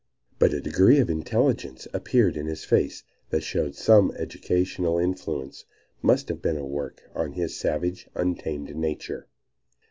But a degree of intelligence appeared in his face that showed some educational influences must have been at work on his savage, untamed nature.